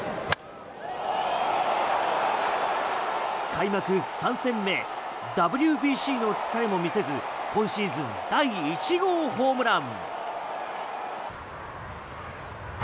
開幕３戦目ＷＢＣの疲れも見せず今シーズン第１号ホームラン。